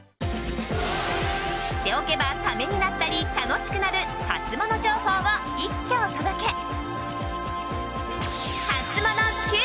知っておけば、ためになったり楽しくなるハツモノ情報を一挙お届け。